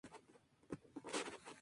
Es difícil de lograr.